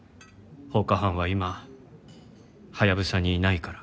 放火犯は今ハヤブサにいないから。